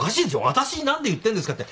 私に何で言ってんですかって。